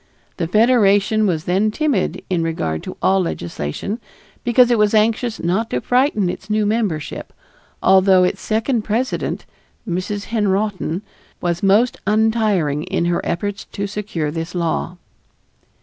The Federation was then timid in regard to all legislation because it was anxious not to frighten its new membership, although its second president, Mrs. Henrotin, was most untiring in her efforts to secure this law.